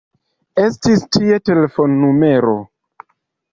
Estis tie telefonnumero.